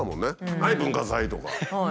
「はい文化財」とか。